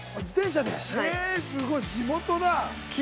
へぇすごい、地元だ。